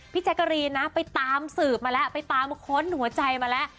แจ๊กกะรีนนะไปตามสืบมาแล้วไปตามค้นหัวใจมาแล้ว